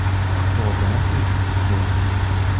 On peut recommencer, des fois!